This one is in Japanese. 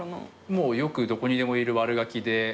もうよくどこにでもいる悪がきで。